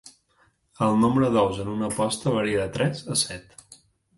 El nombre d'ous en una posta varia de tres a set.